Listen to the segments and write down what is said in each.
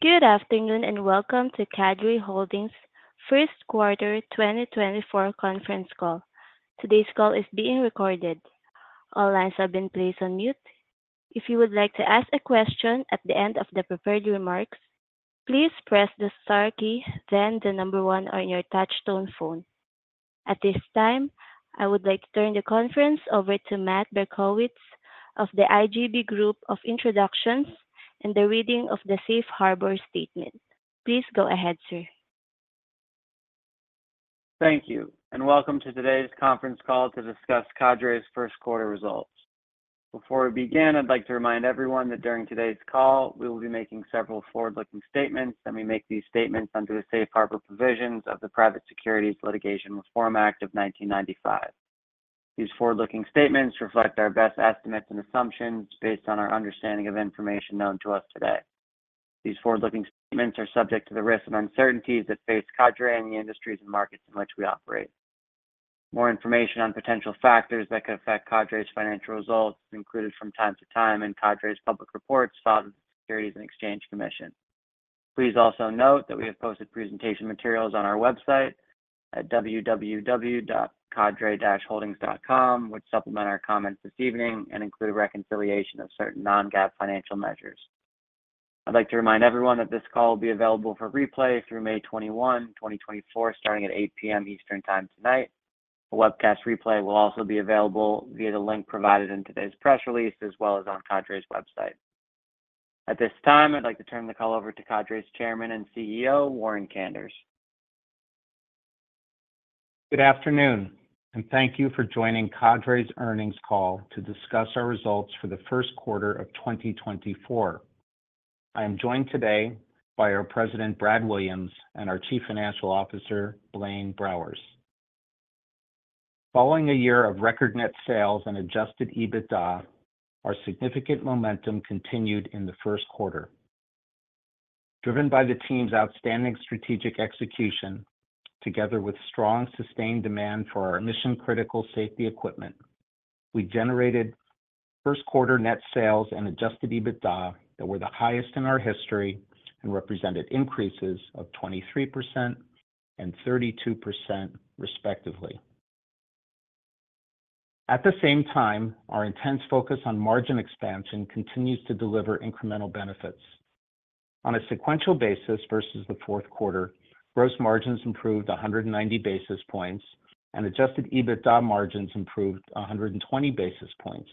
Good afternoon and welcome to Cadre Holdings' first quarter 2024 conference call. Today's call is being recorded. All lines have been placed on mute. If you would like to ask a question at the end of the prepared remarks, please press the star key, then the number 1 on your touch-tone phone. At this time, I would like to turn the conference over to Matt Berkowitz of the IGB Group for introductions and the reading of the Safe Harbor Statement. Please go ahead, sir. Thank you, and welcome to today's conference call to discuss Cadre's first quarter results. Before we begin, I'd like to remind everyone that during today's call we will be making several forward-looking statements, and we make these statements under the Safe Harbor provisions of the Private Securities Litigation Reform Act of 1995. These forward-looking statements reflect our best estimates and assumptions based on our understanding of information known to us today. These forward-looking statements are subject to the risks and uncertainties that face Cadre and the industries and markets in which we operate. More information on potential factors that could affect Cadre's financial results is included from time to time in Cadre's public reports filed with the Securities and Exchange Commission. Please also note that we have posted presentation materials on our website at www.cadre-holdings.com, which supplement our comments this evening and include a reconciliation of certain non-GAAP financial measures. I'd like to remind everyone that this call will be available for replay through May 21, 2024, starting at 8:00 P.M. Eastern Time tonight. A webcast replay will also be available via the link provided in today's press release, as well as on Cadre's website. At this time, I'd like to turn the call over to Cadre's Chairman and CEO, Warren Kanders. Good afternoon, and thank you for joining Cadre's earnings call to discuss our results for the first quarter of 2024. I am joined today by our President, Brad Williams, and our Chief Financial Officer, Blaine Browers. Following a year of record net sales and Adjusted EBITDA, our significant momentum continued in the first quarter. Driven by the team's outstanding strategic execution, together with strong sustained demand for our mission-critical safety equipment, we generated first-quarter net sales and Adjusted EBITDA that were the highest in our history and represented increases of 23% and 32%, respectively. At the same time, our intense focus on margin expansion continues to deliver incremental benefits. On a sequential basis versus the fourth quarter, gross margins improved 190 basis points, and Adjusted EBITDA margins improved 120 basis points.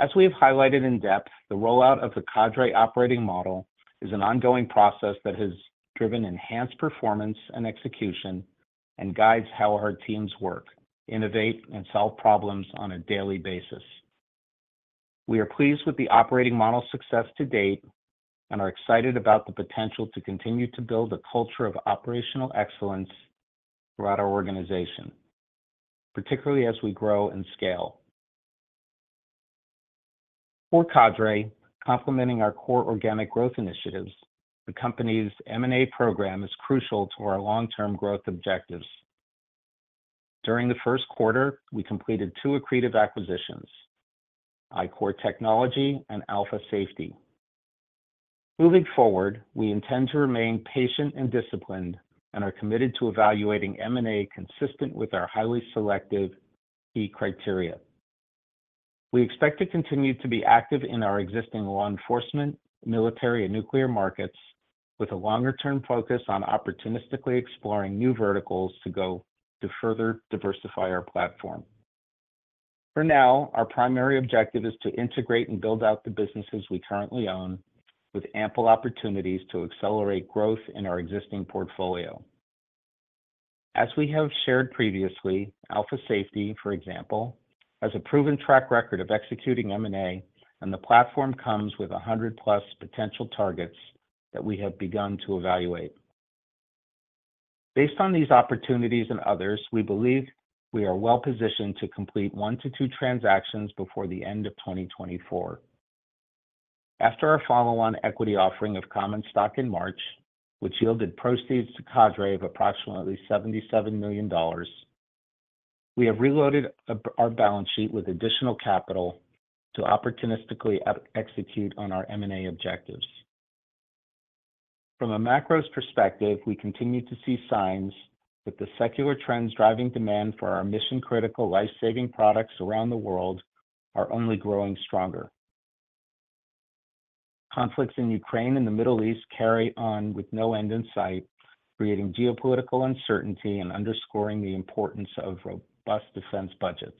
As we have highlighted in depth, the rollout of the Cadre Operating Model is an ongoing process that has driven enhanced performance and execution and guides how our teams work, innovate, and solve problems on a daily basis. We are pleased with the operating model's success to date and are excited about the potential to continue to build a culture of operational excellence throughout our organization, particularly as we grow and scale. For Cadre, complementing our core organic growth initiatives, the company's M&A program is crucial to our long-term growth objectives. During the first quarter, we completed two accretive acquisitions: ICOR Technology and Alpha Safety. Moving forward, we intend to remain patient and disciplined and are committed to evaluating M&A consistent with our highly selective key criteria. We expect to continue to be active in our existing law enforcement, military, and nuclear markets, with a longer-term focus on opportunistically exploring new verticals to further diversify our platform. For now, our primary objective is to integrate and build out the businesses we currently own, with ample opportunities to accelerate growth in our existing portfolio. As we have shared previously, Alpha Safety, for example, has a proven track record of executing M&A, and the platform comes with 100+ potential targets that we have begun to evaluate. Based on these opportunities and others, we believe we are well positioned to complete one to two transactions before the end of 2024. After our follow-on equity offering of common stock in March, which yielded proceeds to Cadre of approximately $77 million, we have reloaded our balance sheet with additional capital to opportunistically execute on our M&A objectives. From a macro perspective, we continue to see signs that the secular trends driving demand for our mission-critical, life-saving products around the world are only growing stronger. Conflicts in Ukraine and the Middle East carry on with no end in sight, creating geopolitical uncertainty and underscoring the importance of robust defense budgets.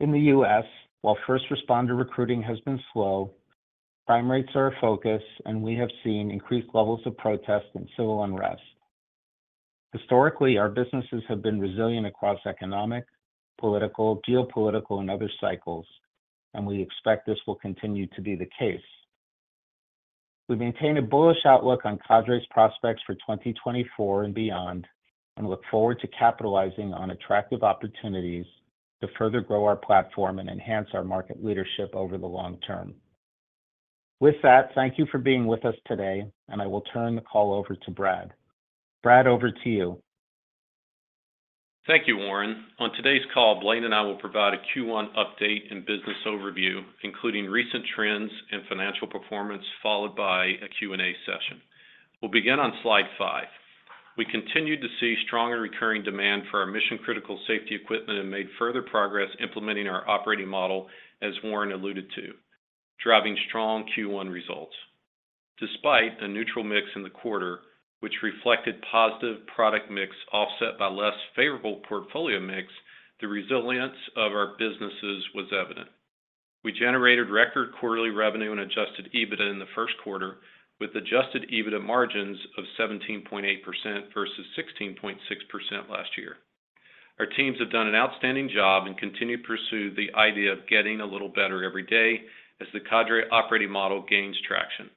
In the U.S., while first responder recruiting has been slow, crime rates are a focus, and we have seen increased levels of protest and civil unrest. Historically, our businesses have been resilient across economic, political, geopolitical, and other cycles, and we expect this will continue to be the case. We maintain a bullish outlook on Cadre's prospects for 2024 and beyond and look forward to capitalizing on attractive opportunities to further grow our platform and enhance our market leadership over the long term. With that, thank you for being with us today, and I will turn the call over to Brad. Brad, over to you. Thank you, Warren. On today's call, Blaine and I will provide a Q1 update and business overview, including recent trends and financial performance, followed by a Q&A session. We'll begin on slide 5. We continue to see strong and recurring demand for our mission-critical safety equipment and made further progress implementing our operating model, as Warren alluded to, driving strong Q1 results. Despite a neutral mix in the quarter, which reflected positive product mix offset by less favorable portfolio mix, the resilience of our businesses was evident. We generated record quarterly revenue and adjusted EBITDA in the first quarter, with adjusted EBITDA margins of 17.8% versus 16.6% last year. Our teams have done an outstanding job and continue to pursue the idea of getting a little better every day as the Cadre Operating Model gains traction.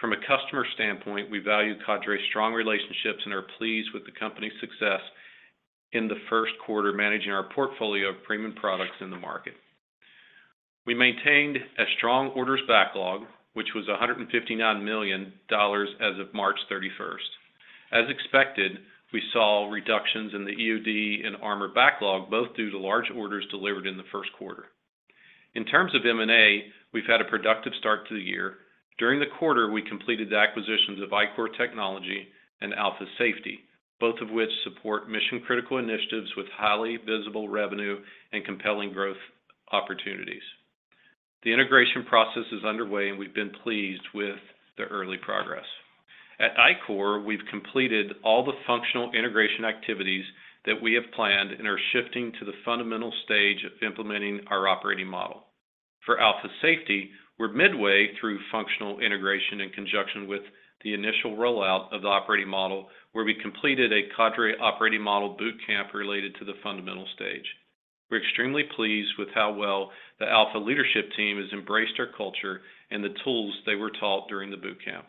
From a customer standpoint, we value Cadre's strong relationships and are pleased with the company's success in the first quarter managing our portfolio of premium products in the market. We maintained a strong orders backlog, which was $159 million as of March 31st. As expected, we saw reductions in the EOD and armor backlog, both due to large orders delivered in the first quarter. In terms of M&A, we've had a productive start to the year. During the quarter, we completed the acquisitions of ICOR Technology and Alpha Safety, both of which support mission-critical initiatives with highly visible revenue and compelling growth opportunities. The integration process is underway, and we've been pleased with the early progress. At ICOR, we've completed all the functional integration activities that we have planned and are shifting to the fundamental stage of implementing our operating model. For Alpha Safety, we're midway through functional integration in conjunction with the initial rollout of the operating model, where we completed a Cadre Operating Model boot camp related to the fundamental stage. We're extremely pleased with how well the Alpha leadership team has embraced our culture and the tools they were taught during the boot camp.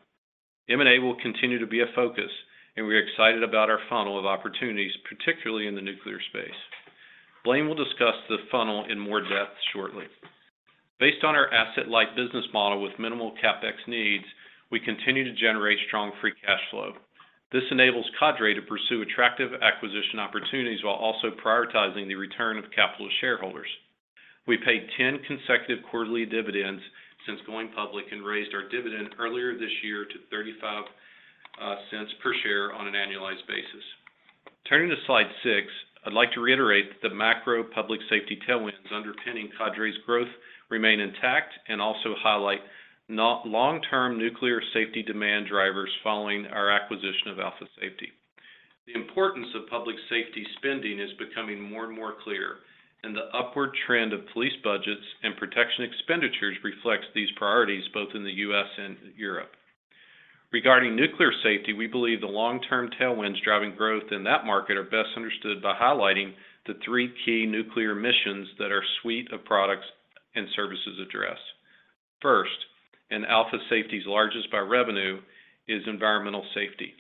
M&A will continue to be a focus, and we're excited about our funnel of opportunities, particularly in the nuclear space. Blaine will discuss the funnel in more depth shortly. Based on our asset-light business model with minimal CapEx needs, we continue to generate strong free cash flow. This enables Cadre to pursue attractive acquisition opportunities while also prioritizing the return of capital to shareholders. We paid 10 consecutive quarterly dividends since going public and raised our dividend earlier this year to $0.35 per share on an annualized basis. Turning to slide 6, I'd like to reiterate that the macro public safety tailwinds underpinning Cadre's growth remain intact and also highlight long-term nuclear safety demand drivers following our acquisition of Alpha Safety. The importance of public safety spending is becoming more and more clear, and the upward trend of police budgets and protection expenditures reflects these priorities both in the U.S. and Europe. Regarding nuclear safety, we believe the long-term tailwinds driving growth in that market are best understood by highlighting the three key nuclear missions that our suite of products and services address. First, and Alpha Safety's largest by revenue, is environmental safety.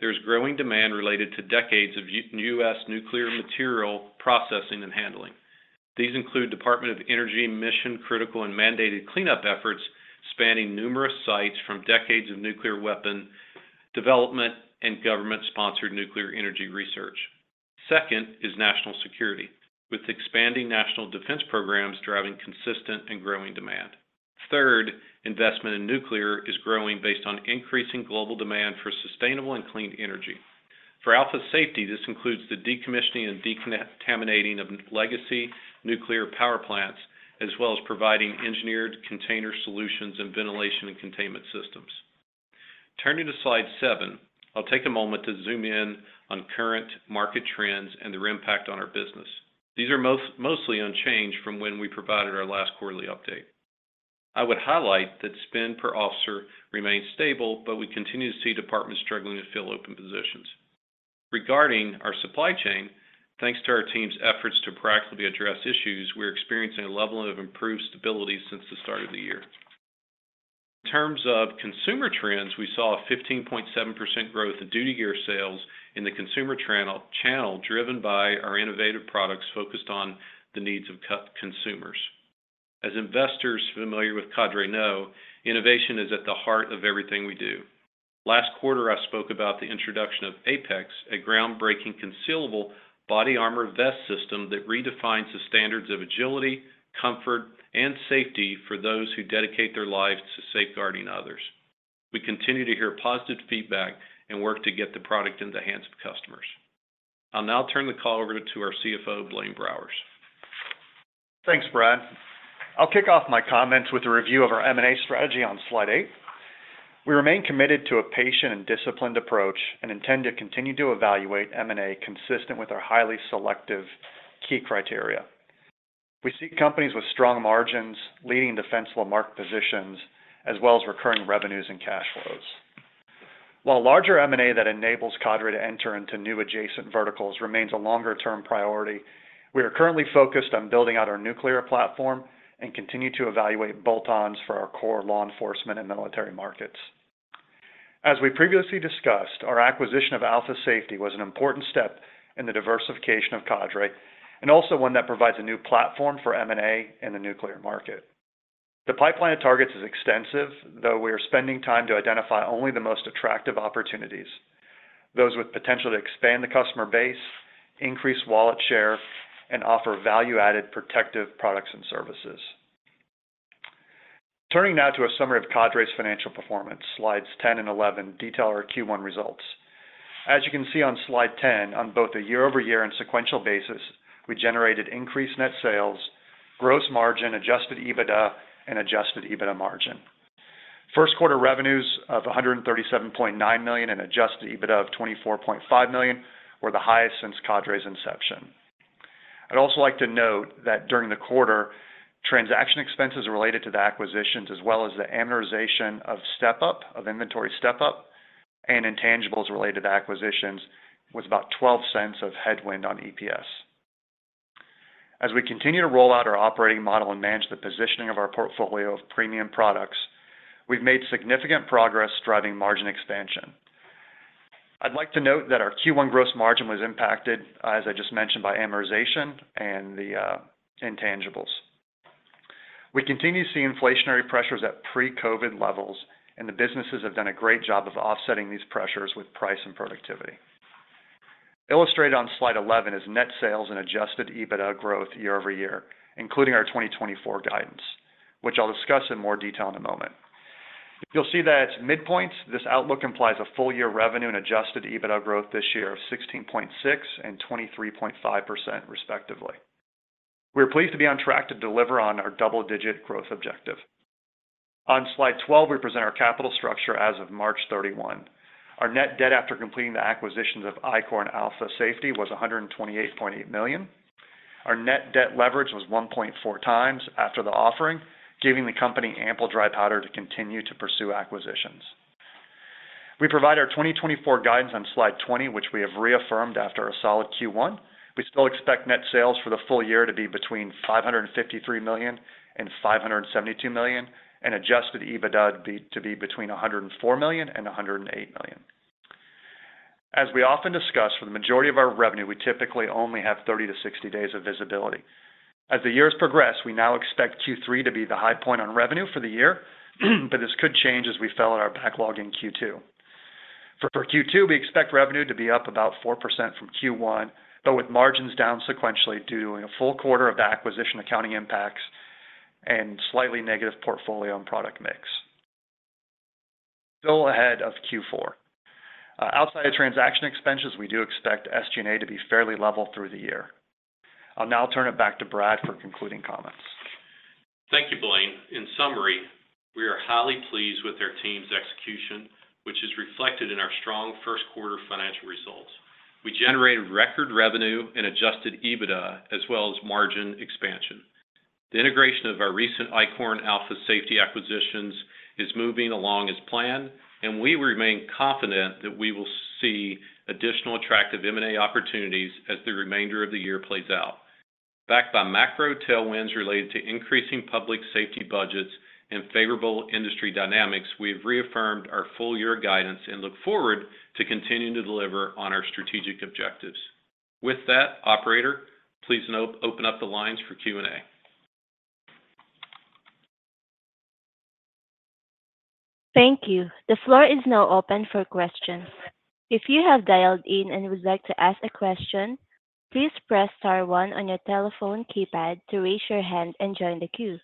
There's growing demand related to decades of U.S. nuclear material processing and handling. These include Department of Energy mission-critical and mandated cleanup efforts spanning numerous sites from decades of nuclear weapon development and government-sponsored nuclear energy research. Second is national security, with expanding national defense programs driving consistent and growing demand. Third, investment in nuclear is growing based on increasing global demand for sustainable and clean energy. For Alpha Safety, this includes the decommissioning and decontaminating of legacy nuclear power plants, as well as providing engineered container solutions and ventilation and containment systems. Turning to slide seven, I'll take a moment to zoom in on current market trends and their impact on our business. These are mostly unchanged from when we provided our last quarterly update. I would highlight that spend per officer remains stable, but we continue to see departments struggling to fill open positions. Regarding our supply chain, thanks to our team's efforts to proactively address issues, we're experiencing a level of improved stability since the start of the year. In terms of consumer trends, we saw a 15.7% growth in duty gear sales in the consumer channel driven by our innovative products focused on the needs of consumers. As investors familiar with Cadre know, innovation is at the heart of everything we do. Last quarter, I spoke about the introduction of Apex, a groundbreaking concealable body armor vest system that redefines the standards of agility, comfort, and safety for those who dedicate their lives to safeguarding others. We continue to hear positive feedback and work to get the product in the hands of customers. I'll now turn the call over to our CFO, Blaine Browers. Thanks, Brad. I'll kick off my comments with a review of our M&A strategy on slide 8. We remain committed to a patient and disciplined approach and intend to continue to evaluate M&A consistent with our highly selective key criteria. We seek companies with strong margins leading defensible market positions, as well as recurring revenues and cash flows. While larger M&A that enables Cadre to enter into new adjacent verticals remains a longer-term priority, we are currently focused on building out our nuclear platform and continue to evaluate bolt-ons for our core law enforcement and military markets. As we previously discussed, our acquisition of Alpha Safety was an important step in the diversification of Cadre and also one that provides a new platform for M&A in the nuclear market. The pipeline of targets is extensive, though we are spending time to identify only the most attractive opportunities: those with potential to expand the customer base, increase wallet share, and offer value-added protective products and services. Turning now to a summary of Cadre's financial performance, slides 10 and 11 detail our Q1 results. As you can see on slide 10, on both a year-over-year and sequential basis, we generated increased net sales, gross margin, adjusted EBITDA, and adjusted EBITDA margin. First-quarter revenues of $137.9 million and adjusted EBITDA of $24.5 million were the highest since Cadre's inception. I'd also like to note that during the quarter, transaction expenses related to the acquisitions, as well as the amortization of inventory step-up and intangibles related to the acquisitions, was about $0.12 of headwind on EPS. As we continue to roll out our operating model and manage the positioning of our portfolio of premium products, we've made significant progress driving margin expansion. I'd like to note that our Q1 gross margin was impacted, as I just mentioned, by amortization and the intangibles. We continue to see inflationary pressures at pre-COVID levels, and the businesses have done a great job of offsetting these pressures with price and productivity. Illustrated on slide 11 is net sales and Adjusted EBITDA growth year-over-year, including our 2024 guidance, which I'll discuss in more detail in a moment. You'll see that midpoint, this outlook implies a full-year revenue and Adjusted EBITDA growth this year of 16.6% and 23.5%, respectively. We are pleased to be on track to deliver on our double-digit growth objective. On slide 12, we present our capital structure as of March 31. Our net debt after completing the acquisitions of ICOR and Alpha Safety was $128.8 million. Our net debt leverage was 1.4 times after the offering, giving the company ample dry powder to continue to pursue acquisitions. We provide our 2024 guidance on slide 20, which we have reaffirmed after a solid Q1. We still expect net sales for the full year to be between $553 million-$572 million, and Adjusted EBITDA to be between $104 million-$108 million. As we often discuss, for the majority of our revenue, we typically only have 30-60 days of visibility. As the years progress, we now expect Q3 to be the high point on revenue for the year, but this could change as we fill in our backlog in Q2. For Q2, we expect revenue to be up about 4% from Q1, but with margins down sequentially due to a full quarter of the acquisition accounting impacts and slightly negative portfolio and product mix. Still ahead of Q4. Outside of transaction expenses, we do expect SG&A to be fairly level through the year. I'll now turn it back to Brad for concluding comments. Thank you, Blaine. In summary, we are highly pleased with our team's execution, which is reflected in our strong first-quarter financial results. We generated record revenue and Adjusted EBITDA, as well as margin expansion. The integration of our recent ICOR and Alpha Safety acquisitions is moving along as planned, and we remain confident that we will see additional attractive M&A opportunities as the remainder of the year plays out. Backed by macro tailwinds related to increasing public safety budgets and favorable industry dynamics, we have reaffirmed our full-year guidance and look forward to continuing to deliver on our strategic objectives. With that, operator, please open up the lines for Q&A. Thank you. The floor is now open for questions. If you have dialed in and would like to ask a question, please press star 1 on your telephone keypad to raise your hand and join the queue.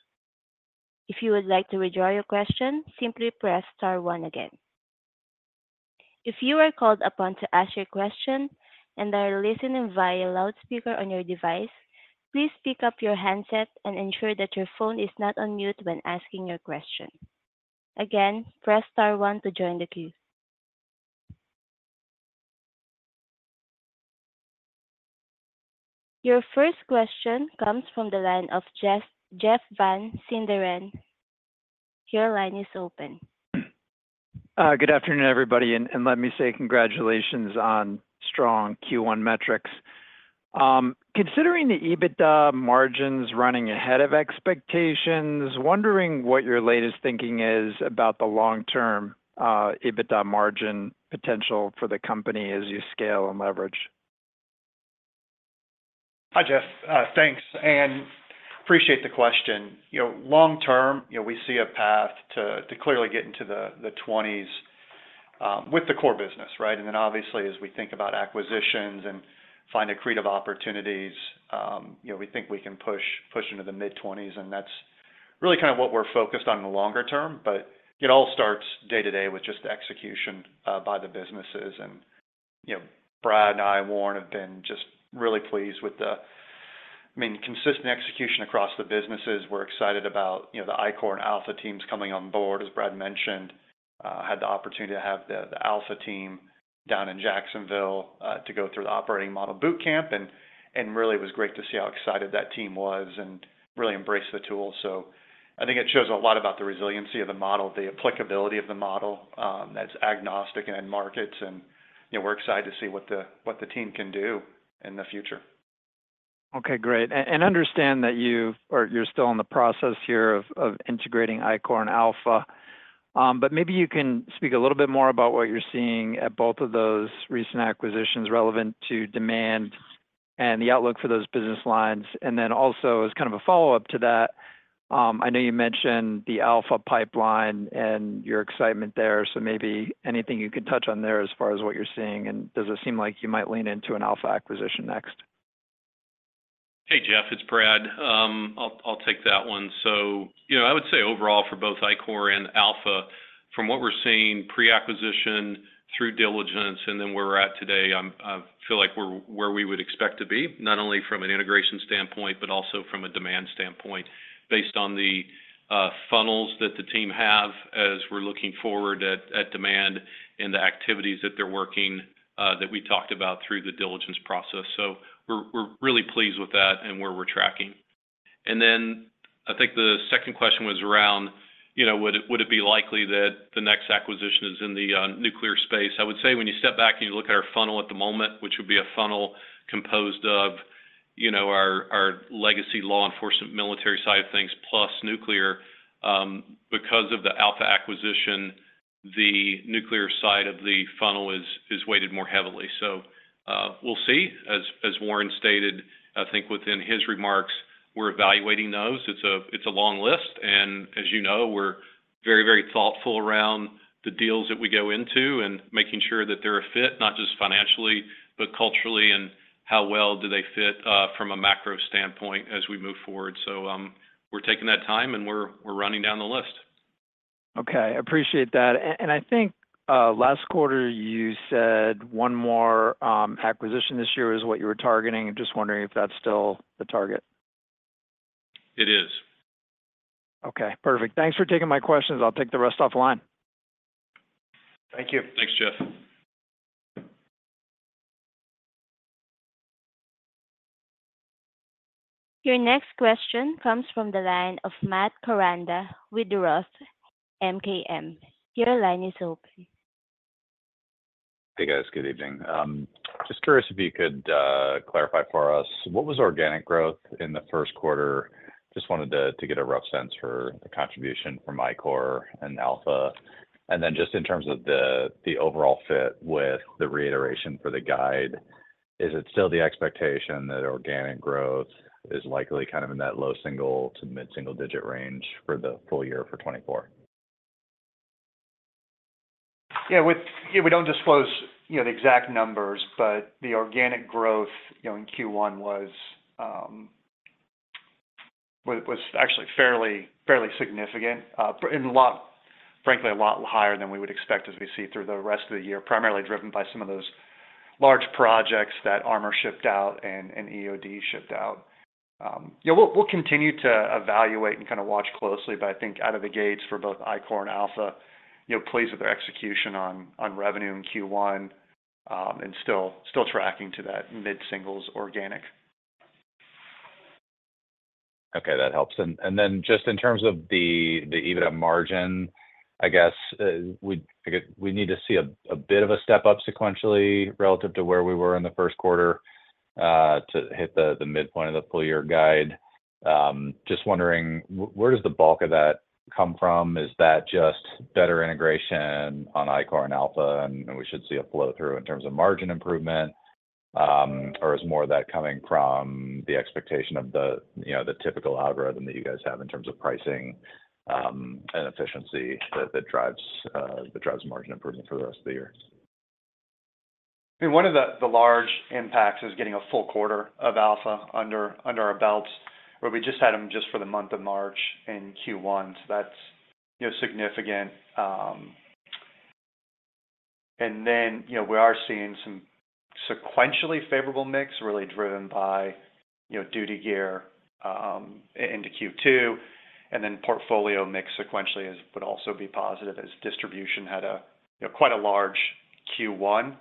If you would like to withdraw your question, simply press star 1 again. If you are called upon to ask your question and are listening via loudspeaker on your device, please pick up your handset and ensure that your phone is not on mute when asking your question. Again, press star 1 to join the queue. Your first question comes from the line of Jeff Van Sinderen. Your line is open. Good afternoon, everybody. Let me say congratulations on strong Q1 metrics. Considering the EBITDA margins running ahead of expectations, wondering what your latest thinking is about the long-term EBITDA margin potential for the company as you scale and leverage? Hi, Jeff. Thanks and appreciate the question. Long term, we see a path to clearly get into the 20s with the core business, right? And then obviously, as we think about acquisitions and find accretive opportunities, we think we can push into the mid-20s. And that's really kind of what we're focused on in the longer term. But it all starts day to day with just the execution by the businesses. And Brad and I, Warren, have been just really pleased with the, I mean, consistent execution across the businesses. We're excited about the ICOR and Alpha teams coming on board, as Brad mentioned. Had the opportunity to have the Alpha team down in Jacksonville to go through the operating model boot camp, and really it was great to see how excited that team was and really embraced the tool. I think it shows a lot about the resiliency of the model, the applicability of the model that's agnostic and in markets. We're excited to see what the team can do in the future. Okay, great. And understand that you're still in the process here of integrating ICOR and Alpha. But maybe you can speak a little bit more about what you're seeing at both of those recent acquisitions relevant to demand and the outlook for those business lines. And then also, as kind of a follow-up to that, I know you mentioned the Alpha pipeline and your excitement there. So maybe anything you could touch on there as far as what you're seeing. And does it seem like you might lean into an Alpha acquisition next? Hey, Jeff. It's Brad. I'll take that one. So I would say overall for both ICOR and Alpha, from what we're seeing pre-acquisition through diligence, and then where we're at today, I feel like we're where we would expect to be, not only from an integration standpoint, but also from a demand standpoint based on the funnels that the team have as we're looking forward at demand and the activities that they're working that we talked about through the diligence process. So we're really pleased with that and where we're tracking. And then I think the second question was around, would it be likely that the next acquisition is in the nuclear space? I would say when you step back and you look at our funnel at the moment, which would be a funnel composed of our legacy law enforcement military side of things plus nuclear, because of the Alpha acquisition, the nuclear side of the funnel is weighted more heavily. So we'll see. As Warren stated, I think within his remarks, we're evaluating those. It's a long list. And as you know, we're very, very thoughtful around the deals that we go into and making sure that they're a fit, not just financially, but culturally, and how well do they fit from a macro standpoint as we move forward. So we're taking that time, and we're running down the list. Okay. Appreciate that. I think last quarter you said one more acquisition this year is what you were targeting. Just wondering if that's still the target? It is. Okay. Perfect. Thanks for taking my questions. I'll take the rest off the line. Thank you. Thanks, Jeff. Your next question comes from the line of Matt Koranda with Roth MKM. Your line is open. Hey, guys. Good evening. Just curious if you could clarify for us what was organic growth in the first quarter. Just wanted to get a rough sense for the contribution from ICOR and Alpha. And then just in terms of the overall fit with the reiteration for the guide, is it still the expectation that organic growth is likely kind of in that low single to mid-single digit range for the full year for 2024? Yeah. We don't disclose the exact numbers, but the organic growth in Q1 was actually fairly significant, frankly, a lot higher than we would expect as we see through the rest of the year, primarily driven by some of those large projects that Armor shipped out and EOD shipped out. We'll continue to evaluate and kind of watch closely, but I think out of the gates for both ICOR and Alpha, pleased with their execution on revenue in Q1 and still tracking to that mid-singles organic. Okay. That helps. And then just in terms of the EBITDA margin, I guess we need to see a bit of a step up sequentially relative to where we were in the first quarter to hit the midpoint of the full-year guide. Just wondering, where does the bulk of that come from? Is that just better integration on ICOR and Alpha and we should see a flow-through in terms of margin improvement, or is more of that coming from the expectation of the typical algorithm that you guys have in terms of pricing and efficiency that drives margin improvement for the rest of the year? I mean, one of the large impacts is getting a full quarter of Alpha under our belts, where we just had them just for the month of March in Q1. So that's significant. And then we are seeing some sequentially favorable mix really driven by duty gear into Q2. And then portfolio mix sequentially would also be positive as distribution had quite a large Q1.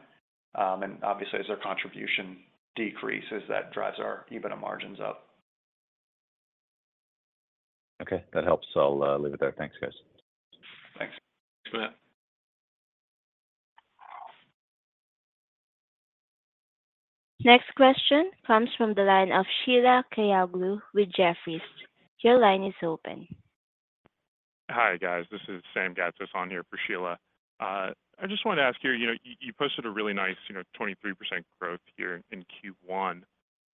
And obviously, as their contribution decreases, that drives our EBITDA margins up. Okay. That helps. I'll leave it there. Thanks, guys. Thanks. Thanks, Matt. Next question comes from the line of Sheila Kahyaoglu with Jefferies. Your line is open. Hi, guys. This is Sam Gasso on here for Sheila. I just wanted to ask you, you posted a really nice 23% growth here in Q1,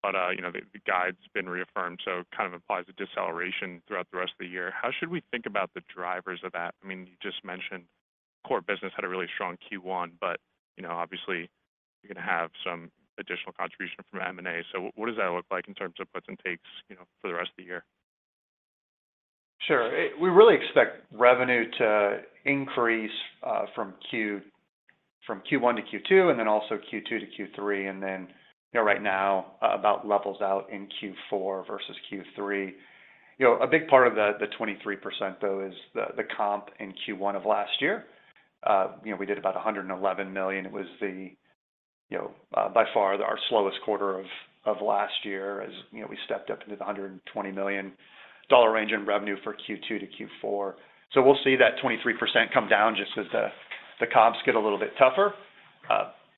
but the guide's been reaffirmed, so it kind of implies a deceleration throughout the rest of the year. How should we think about the drivers of that? I mean, you just mentioned core business had a really strong Q1, but obviously, you're going to have some additional contribution from M&A. So what does that look like in terms of what's in store for the rest of the year? Sure. We really expect revenue to increase from Q1 to Q2 and then also Q2 to Q3, and then right now about levels out in Q4 versus Q3. A big part of the 23%, though, is the comp in Q1 of last year. We did about $111 million. It was by far our slowest quarter of last year as we stepped up into the $120 million range in revenue for Q2 to Q4. So we'll see that 23% come down just as the comps get a little bit tougher.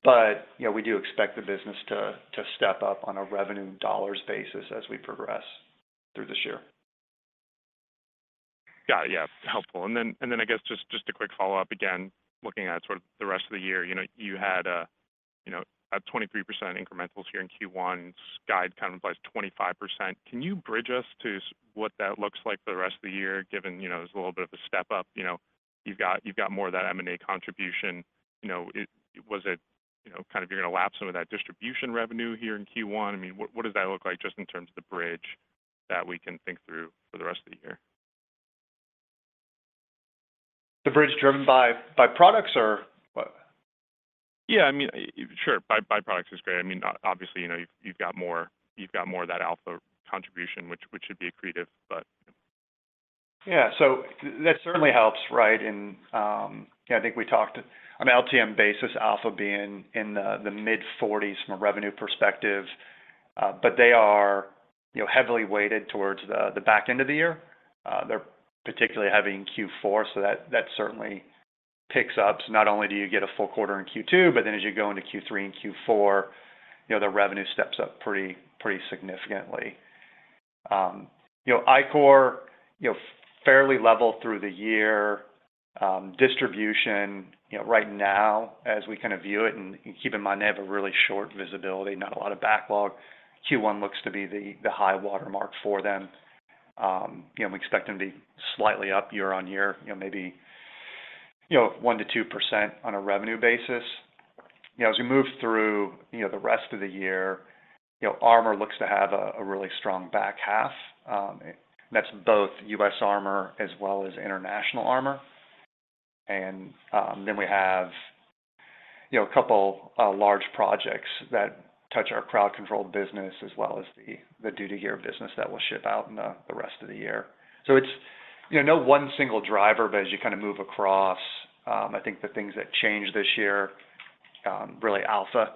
But we do expect the business to step up on a revenue dollars basis as we progress through this year. Got it. Yeah. Helpful. And then I guess just a quick follow-up, again, looking at sort of the rest of the year, you had about 23% incrementals here in Q1. Guide kind of implies 25%. Can you bridge us to what that looks like for the rest of the year given it was a little bit of a step-up? You've got more of that M&A contribution. Was it kind of you're going to lapse some of that distribution revenue here in Q1? I mean, what does that look like just in terms of the bridge that we can think through for the rest of the year? The bridge driven by products or what? Yeah. I mean, sure. Byproducts is great. I mean, obviously, you've got more of that Alpha contribution, which should be accretive, but. Yeah. So that certainly helps, right? And I think we talked on an LTM basis, Alpha being in the mid-40s from a revenue perspective, but they are heavily weighted towards the back end of the year. They're particularly heavy in Q4, so that certainly picks up. So not only do you get a full quarter in Q2, but then as you go into Q3 and Q4, the revenue steps up pretty significantly. ICOR, fairly level through the year. Distribution right now, as we kind of view it, and keep in mind they have a really short visibility, not a lot of backlog. Q1 looks to be the high watermark for them. We expect them to be slightly up year-on-year, maybe 1%-2% on a revenue basis. As we move through the rest of the year, Armor looks to have a really strong back half. That's both U.S. Armor as well as International Armor. Then we have a couple of large projects that touch our crowd-controlled business as well as the duty gear business that we'll ship out in the rest of the year. So it's no one single driver, but as you kind of move across, I think the things that changed this year, really Alpha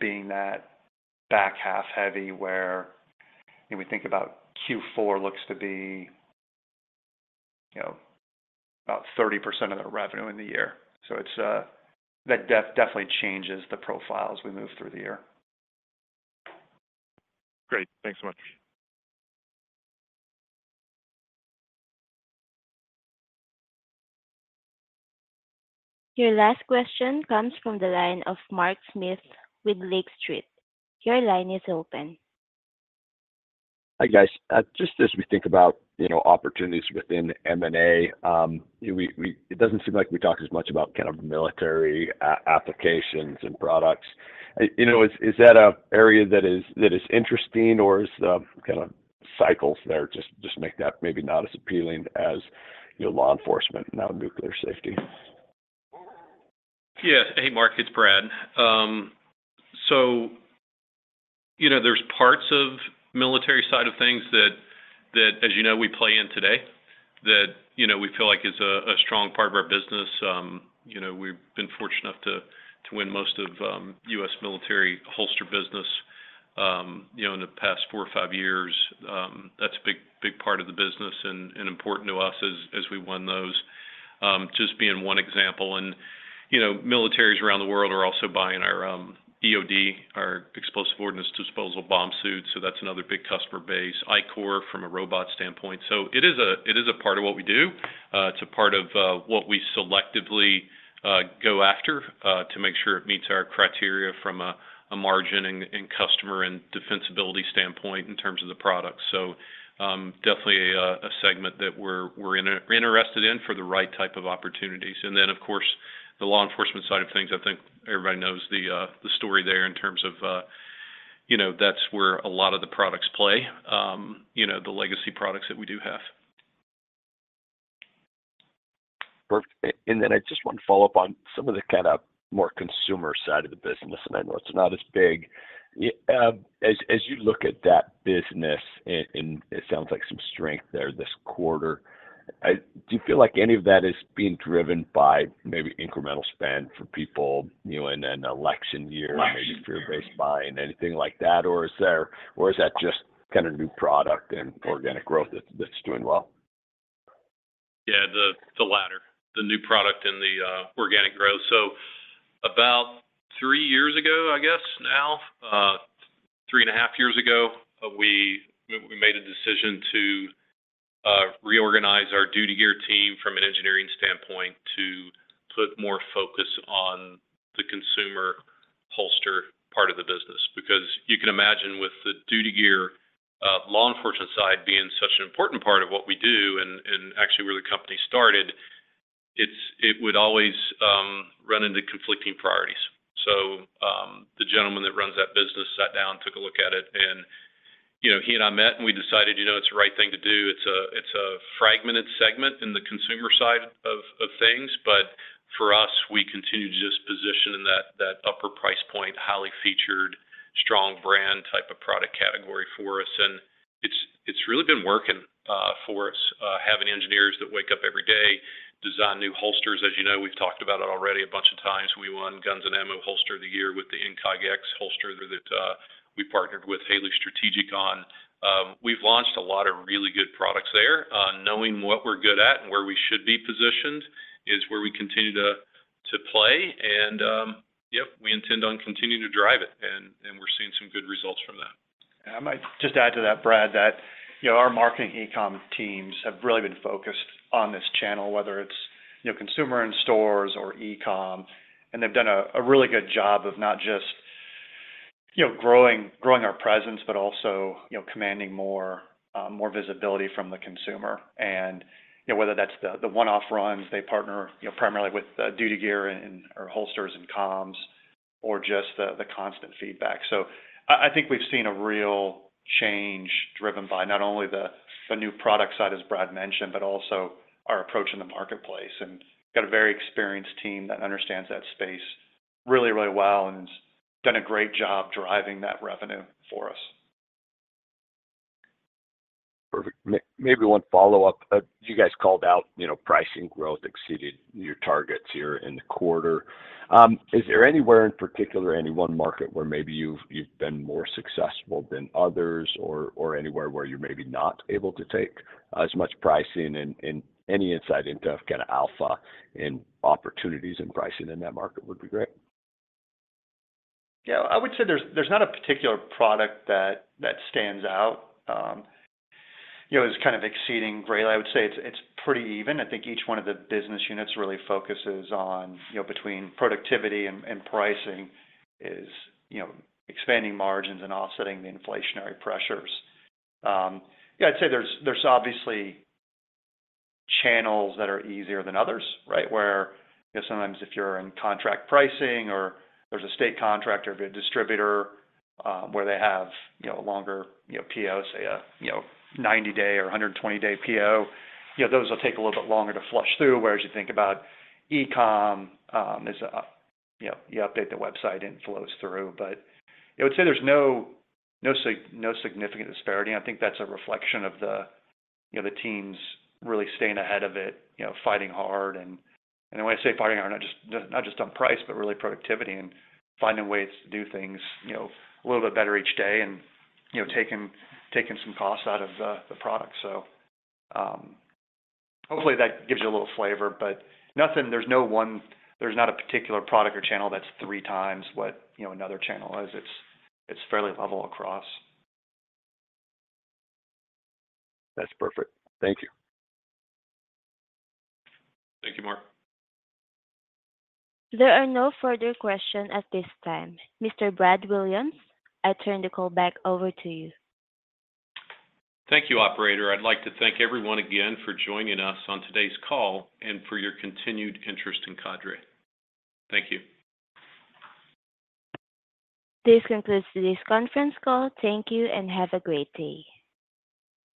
being that back half heavy where we think about Q4 looks to be about 30% of their revenue in the year. So that definitely changes the profile as we move through the year. Great. Thanks so much.. Your last question comes from the line of Mark Smith with Lake Street. Your line is open. Hi, guys. Just as we think about opportunities within M&A, it doesn't seem like we talk as much about kind of military applications and products. Is that an area that is interesting, or is the kind of cycles there just make that maybe not as appealing as law enforcement or nuclear safety? Yeah. Hey, Mark. It's Brad. So there's parts of the military side of things that, as you know, we play in today that we feel like is a strong part of our business. We've been fortunate enough to win most of U.S. military holster business in the past 4 or 5 years. That's a big part of the business and important to us as we won those, just being one example. And militaries around the world are also buying our EOD, our explosive ordnance disposal bomb suit. So that's another big customer base, ICOR from a robot standpoint. So it is a part of what we do. It's a part of what we selectively go after to make sure it meets our criteria from a margin and customer and defensibility standpoint in terms of the products. So definitely a segment that we're interested in for the right type of opportunities. And then, of course, the law enforcement side of things. I think everybody knows the story there in terms of that's where a lot of the products play, the legacy products that we do have. Perfect. Then I just want to follow up on some of the kind of more consumer side of the business. I know it's not as big. As you look at that business, and it sounds like some strength there this quarter, do you feel like any of that is being driven by maybe incremental spend for people in an election year, maybe fear-based buying, anything like that? Or is that just kind of new product and organic growth that's doing well? Yeah. The latter, the new product and the organic growth. So about three years ago, I guess now, three and a half years ago, we made a decision to reorganize our duty gear team from an engineering standpoint to put more focus on the consumer holster part of the business. Because you can imagine with the duty gear, law enforcement side being such an important part of what we do and actually where the company started, it would always run into conflicting priorities. So the gentleman that runs that business sat down, took a look at it, and he and I met, and we decided it's the right thing to do. It's a fragmented segment in the consumer side of things. But for us, we continue to just position in that upper price point, highly featured, strong brand type of product category for us. And it's really been working for us, having engineers that wake up every day, design new holsters. As you know, we've talked about it already a bunch of times. We won Guns & Ammo Holster of the Year with the Incog X holster. That we partnered with Haley Strategic on. We've launched a lot of really good products there. Knowing what we're good at and where we should be positioned is where we continue to play. And yep, we intend on continuing to drive it. And we're seeing some good results from that. I might just add to that, Brad, that our marketing e-com teams have really been focused on this channel, whether it's consumer in stores or e-com. They've done a really good job of not just growing our presence, but also commanding more visibility from the consumer. Whether that's the one-off runs, they partner primarily with duty gear or holsters and comms, or just the constant feedback. So I think we've seen a real change driven by not only the new product side, as Brad mentioned, but also our approach in the marketplace. Got a very experienced team that understands that space really, really well and has done a great job driving that revenue for us. Perfect. Maybe one follow-up. You guys called out pricing growth exceeded your targets here in the quarter. Is there anywhere in particular, any one market where maybe you've been more successful than others or anywhere where you're maybe not able to take as much pricing? And any insight into kind of Alpha and opportunities in pricing in that market would be great. Yeah. I would say there's not a particular product that stands out as kind of exceeding greatly. I would say it's pretty even. I think each one of the business units really focuses on between productivity and pricing is expanding margins and offsetting the inflationary pressures. Yeah. I'd say there's obviously channels that are easier than others, right, where sometimes if you're in contract pricing or there's a state contract or a big distributor where they have a longer PO, say, a 90-day or 120-day PO, those will take a little bit longer to flush through. Whereas you think about e-com, you update the website and it flows through. But I would say there's no significant disparity. And I think that's a reflection of the team's really staying ahead of it, fighting hard. When I say fighting hard, not just on price, but really productivity and finding ways to do things a little bit better each day and taking some costs out of the product. So hopefully, that gives you a little flavor. But there's not a particular product or channel that's three times what another channel is. It's fairly level across. That's perfect. Thank you. Thank you, Mark. There are no further questions at this time. Mr. Brad Williams, I turn the call back over to you. Thank you, operator. I'd like to thank everyone again for joining us on today's call and for your continued interest in CADRE. Thank you. This concludes today's conference call. Thank you and have a great day.